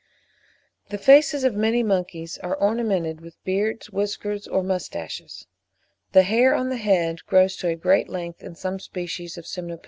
The faces of many monkeys are ornamented with beards, whiskers, or moustaches. The hair on the head grows to a great length in some species of Semnopithecus (6.